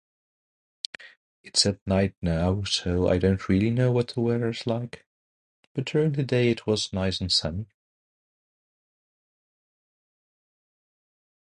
It's at night now, so I don't really know what the weather's like. But, during the day it was nice and sunny.